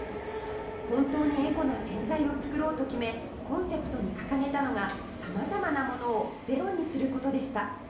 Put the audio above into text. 本当にエコな洗剤を作ろうと決めコンセプトに掲げたのが様々なものをゼロにすることでした。